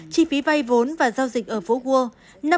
chi phí vay vốn và giao dịch ở phố world